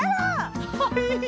はい。